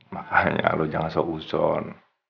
makanya lo jangan se uzon